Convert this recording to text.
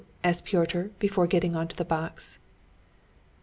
asked Pyotr before getting onto the box.